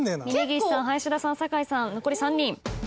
峯岸さん林田さん酒井さん残り３人。